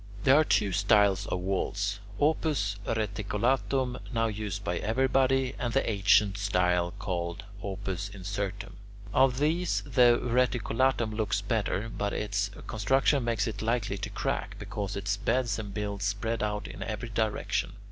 There are two styles of walls: "opus reticulatum," now used by everybody, and the ancient style called "opus incertum." Of these, the reticulatum looks better, but its construction makes it likely to crack, because its beds and builds spread out in every direction.